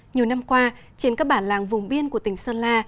nhiều năm qua trên các bản làng vùng biên của tỉnh sơn la